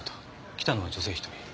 来たのは女性一人。